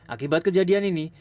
akibat kejadian ini